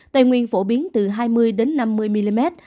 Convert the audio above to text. tây nguyên phổ biến từ hai mươi năm mươi mm